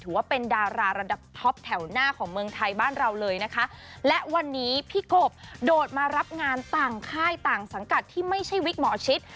ถือว่าเป็นดาราระดับท็อปแถวหน้าของเมืองไทยบ้านเราเลยนะคะและวันนี้พี่กบโดดมารับงานต่างค่ายต่างสังกัดที่ไม่ใช่วิกหมอชิด